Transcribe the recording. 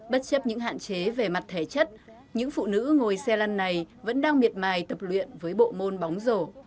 bất chấp những hạn chế về mặt thể chất những phụ nữ ngồi xe lăn này vẫn đang miệt mài tập luyện với bộ môn bóng rổ